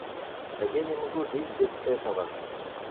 А я не могу жить без этого.